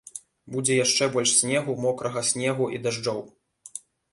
Будзе яшчэ больш снегу, мокрага снегу і дажджоў.